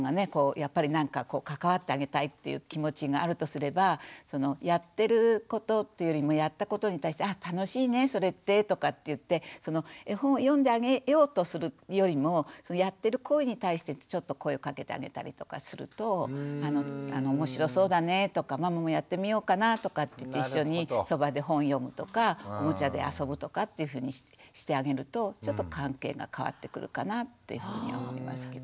やっぱり何か関わってあげたいっていう気持ちがあるとすればやってることっていうよりもやったことに対して「あ楽しいねそれって」とかって言って絵本を読んであげようとするよりもやってる行為に対してちょっと声をかけてあげたりとかすると面白そうだねとかママもやってみようかなとかって一緒にそばで本読むとかおもちゃで遊ぶとかっていうふうにしてあげるとちょっと関係が変わってくるかなってふうには思いますけど。